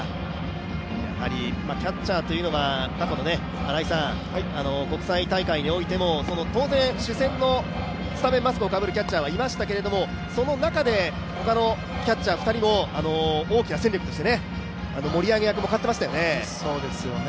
キャッチャーというのは、過去の国際大会においても当然、主戦のスタメンマスクをかぶるキャッチャーがいましたけどその中でほかのキャッチャー２人も大きな戦力として盛り上げ役もかっていましたよね。